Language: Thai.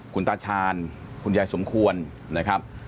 คุณตาชาญคุณยายสมควรนะครับ